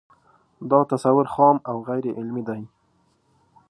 دا تصور خام او غیر علمي دی